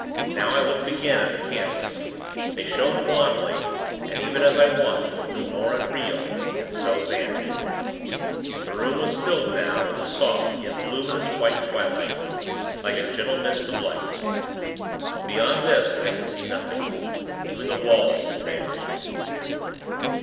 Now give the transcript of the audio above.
Now, I looked again at the candles. They shone wanly, and, even as I watched, grew more unreal, and so vanished. The room was filled, now, with a soft, yet luminous, white twilight, like a gentle mist of light. Beyond this, I could see nothing. Even the walls had vanished.